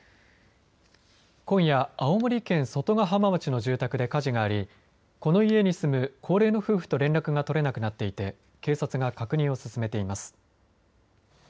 今夜、青森県外ヶ浜町の住宅で火事がありこの家に住む高齢の夫婦と連絡が取れなくなっていて警察が確認を進めています。